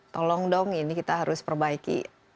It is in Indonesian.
tolong dong ini kita harus perbaiki